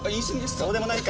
そうでもないか。